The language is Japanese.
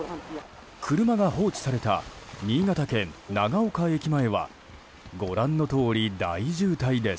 車が放置された新潟県長岡駅前はご覧のとおり大渋滞です。